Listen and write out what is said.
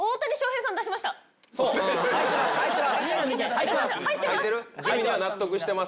入ってます。